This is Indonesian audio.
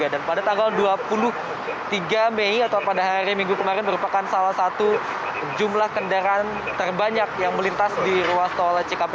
dan pada tanggal dua puluh tiga mei atau pada hari minggu kemarin merupakan salah satu jumlah kendaraan terbanyak yang melintas di ruas tol ckb